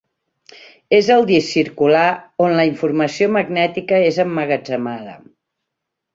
És el disc circular on la informació magnètica és emmagatzemada.